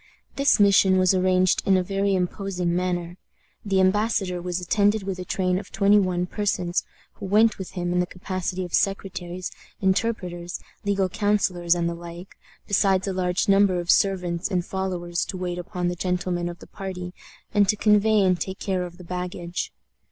This mission was arranged in a very imposing manner. The embassador was attended with a train of twenty one persons, who went with him in the capacity of secretaries, interpreters, legal councilors, and the like, besides a large number of servants and followers to wait upon the gentlemen of the party, and to convey and take care of the baggage.